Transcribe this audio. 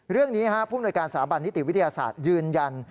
เรื่องนี้ผู้มนวยการสถาบันนิติวิทยาศาสตร์ยืนยัน